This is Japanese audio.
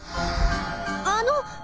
あの。